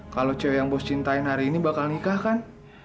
kalau cewek yang bos cintai hari ini bakal nikah kan